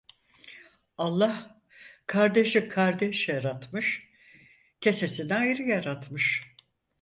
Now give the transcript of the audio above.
Allah kardeşi kardeş yaratmış, kesesini ayrı yaratmış.